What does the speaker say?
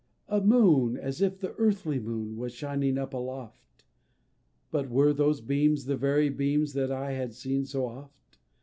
A moon, as if the earthly moon, was shining up aloft; But were those beams the very beams that I had seen so oft?